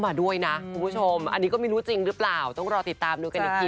อันนี้ก็ไม่รู้จริงหรือเปล่าต้องรอติดตามดูกันอีกที